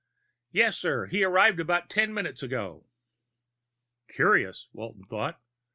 "Yes, sir. He arrived about ten minutes ago." Curious, Walton thought.